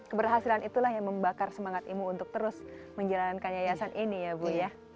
keberhasilan itulah yang membakar semangat ibu untuk terus menjalankan yayasan ini ya bu ya